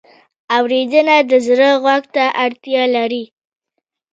اورېدنه د زړه غوږ ته اړتیا لري.